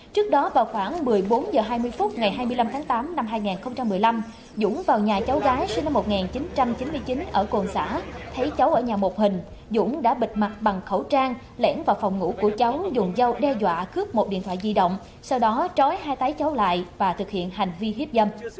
trước đó vào khoảng một mươi bốn h hai mươi phút ngày hai mươi năm tháng tám năm hai nghìn một mươi năm dũng vào nhà cháu gái sinh năm một nghìn chín trăm chín mươi chín ở cồn xã thấy cháu ở nhà một hình dũng đã bịt mặt bằng khẩu trang lẻn vào phòng ngủ của cháu dùng dao đe dọa cướp một điện thoại di động sau đó trói hai tay cháu lại và thực hiện hành vi hiếp dâm